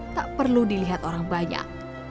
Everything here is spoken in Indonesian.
tak perlu dilihat orang banyak